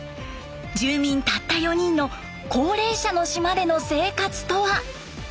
住民たった４人の高齢者の島での生活とは？